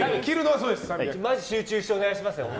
集中してお願いします。